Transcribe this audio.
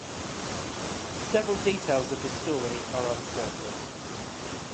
Several details of this story are uncertain.